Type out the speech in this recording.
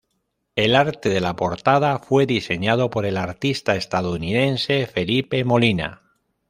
El arte de la portada fue diseñado por el artista estadounidense Felipe Molina.